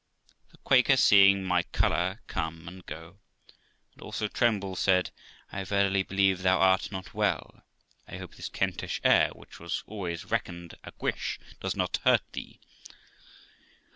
The Quaker seeing my colour come and go, and also tremble, said 'I verily believe thou art not well; I hope this Kentish air, which was always reckoned aguish, does not hurt thee?